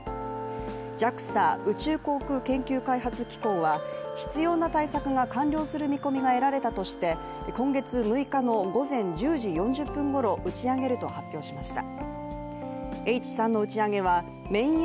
ＪＡＸＡ＝宇宙航空研究開発機構は必要な対策が完了する見込みが得られたとして今月６日の午前１０時４０分ごろ打ち上げると発表しました。